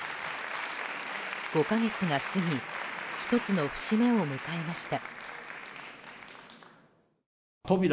５か月が過ぎ１つの節目を迎えました。